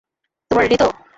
তোমরা রেডি তো?